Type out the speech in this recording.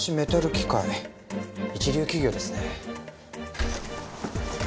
一流企業ですね。